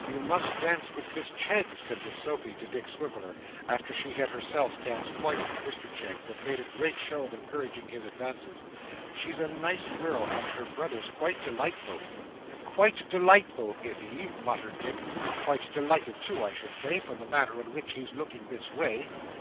'You must dance with Miss Cheggs,' said Miss Sophy to Dick Swiviller, after she had herself danced twice with Mr Cheggs and made great show of encouraging his advances. 'She's a nice girl and her brother's quite delightful.' 'Quite delightful, is he?' muttered Dick. 'Quite delighted too, I should say, from the manner in which he's looking this way.